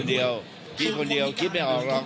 อันนี้จะต้องจับเบอร์เพื่อที่จะแข่งกันแล้วคุณละครับ